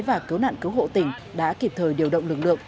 và cứu nạn cứu hộ tỉnh đã kịp thời điều động lực lượng